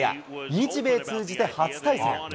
日米通じて初対戦。